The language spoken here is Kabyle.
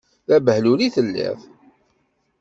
D abehlul i telliḍ.